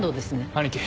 兄貴。